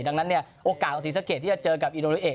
ดังนั้นโอกาสของศรีสัตว์เกดที่จะเจอกับอิโรนดูเอ็กซ์